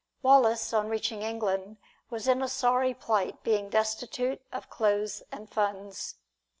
Wallace on reaching England was in a sorry plight, being destitute of clothes and funds.